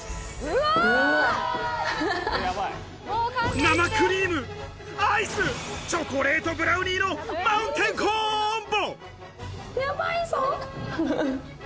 生クリーム、アイス、チョコレートブラウニーのマウンテンコンボ。